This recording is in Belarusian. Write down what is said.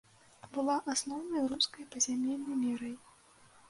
Была асноўнай рускай пазямельнай мерай.